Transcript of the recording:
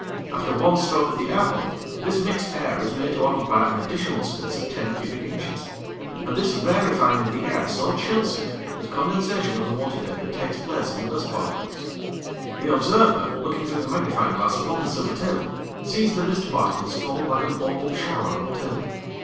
After one stroke of the air pump, this mixed air is made to occupy an additional space of 10 cubic inches; and this rarefying of the air so chills it that condensation of the water vapour takes place on the dust particles. The observer, looking through the magnifying glass upon the silver table, sees the mist particles fall like an opal shower on the table.